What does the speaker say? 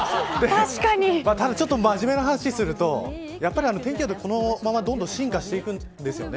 ただ真面目な話をするとやっぱり天気予報はこのまま進化してくんですよね。